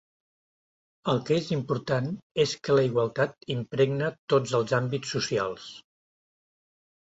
El que és important és que la igualtat impregne tots els àmbits socials.